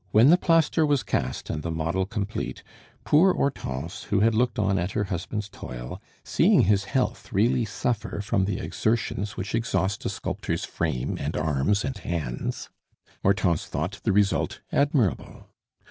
When the plaster was cast and the model complete, poor Hortense, who had looked on at her husband's toil, seeing his health really suffer from the exertions which exhaust a sculptor's frame and arms and hands Hortense thought the result admirable.